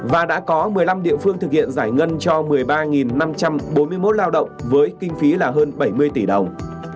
và đã có một mươi năm địa phương thực hiện giải ngân cho một mươi ba năm trăm bốn mươi một lao động với kinh phí là hơn bảy mươi tỷ đồng